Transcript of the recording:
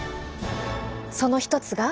その一つが。